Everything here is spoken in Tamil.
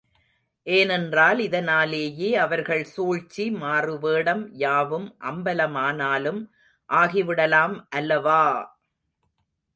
ஏனென்றால் இதனாலேயே அவர்கள் சூழ்ச்சி, மாறுவேடம் யாவும் அம்பலமானாலும் ஆகிவிடலாம் அல்லவா!